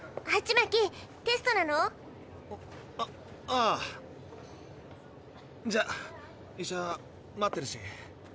あああ。じゃ医者待ってるし。